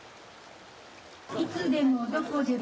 いつでもどこでも。